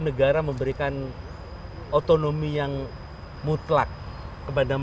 negara memberikan otonomi yang mutlak kepada masyarakat